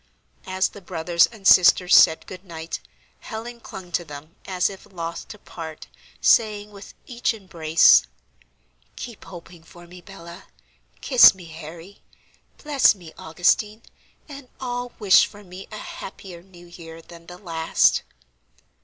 As the brothers and sisters said good night, Helen clung to them as if loth to part, saying, with each embrace: "Keep hoping for me, Bella; kiss me, Harry; bless me, Augustine, and all wish for me a happier New Year than the last."